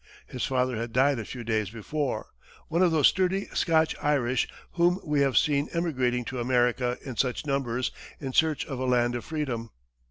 His father had died a few days before one of those sturdy Scotch Irish whom we have seen emigrating to America in such numbers in search of a land of freedom.